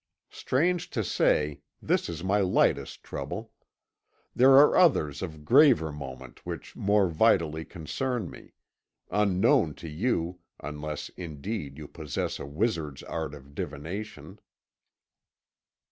Strange to say, this is my lightest trouble. There are others of graver moment which more vitally concern me unknown to you, unless, indeed, you possess a wizard's art of divination."